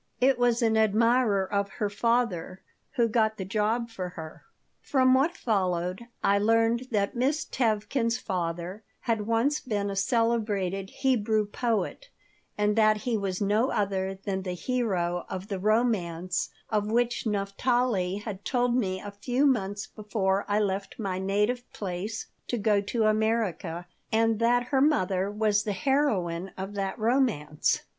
"It was an admirer of her father who got the job for her." From what followed I learned that Miss Tevkin's father had once been a celebrated Hebrew poet and that he was no other than the hero of the romance of which Naphtali had told me a few months before I left my native place to go to America, and that her mother was the heroine of that romance.